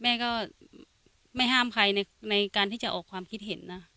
แม่ก็ไม่ห้ามใครในการที่จะออกความคิดเห็นนะ